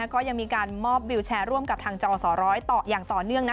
ก็ยังมีการมอบวิวแชร์ร่วมกับทางจอสร้อยต่ออย่างต่อเนื่อง